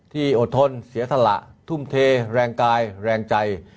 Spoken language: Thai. อดทนเสียสละทุ่มเทแรงกายแรงใจ